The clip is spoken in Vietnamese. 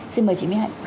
xin mời chị mỹ hạnh